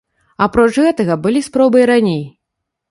Апроч гэтага, былі спробы і раней.